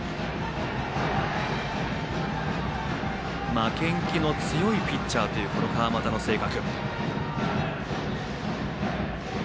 負けん気の強いピッチャーという川又の性格。